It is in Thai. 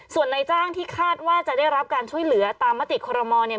ส่วนในจ้างที่คาดว่าจะได้รับการช่วยเหลือตามมติคอรมอลเนี่ย